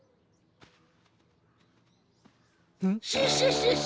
シシシシ！